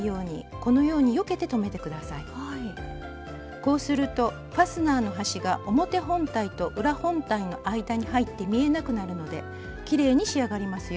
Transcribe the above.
こうするとファスナーの端が表本体と裏本体の間に入って見えなくなるのできれいに仕上がりますよ。